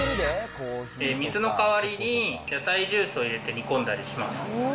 水の代わりに野菜ジュースを入れて煮込んだりします。